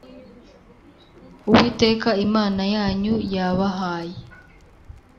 Uwiteka Imana yanyu yabahaye